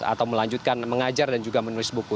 atau melanjutkan mengajar dan juga menulis buku